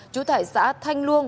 trú tại xã thanh luông